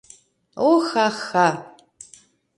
Ох-ха-ха!